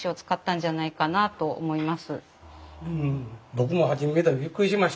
僕も初め見た時びっくりしましたよ。